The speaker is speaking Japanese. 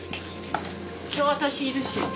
今日私いるし。